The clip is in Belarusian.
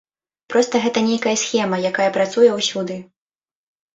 Проста гэта нейкая схема, якая працуе ўсюды.